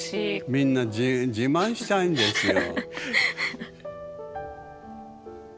みんな自慢したいんですよ。